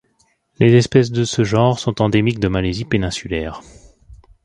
Les espèces de ce genre sont endémiques de Malaisie péninsulaire.